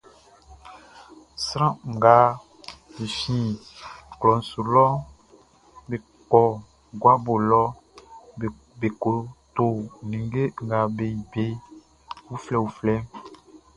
Sran nga be fin klɔʼn su lɔʼn, be kɔ guabo lɔ be ko to ninnge nga be yili be uflɛuflɛʼn.